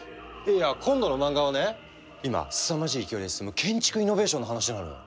いや今度の漫画はね今すさまじい勢いで進む建築イノベーションの話なのよ。